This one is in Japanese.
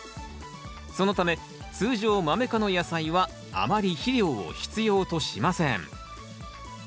そのため通常マメ科の野菜はあまり肥料を必要としません。